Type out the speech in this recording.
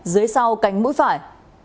dưới sau cánh mũi phải